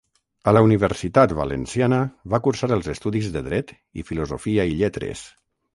A la Universitat valenciana va cursar els estudis de dret i filosofia i lletres.